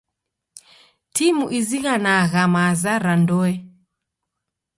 Timu izighanagha maza ra ndoe.